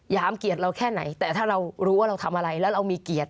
เกลียดเราแค่ไหนแต่ถ้าเรารู้ว่าเราทำอะไรแล้วเรามีเกียรติ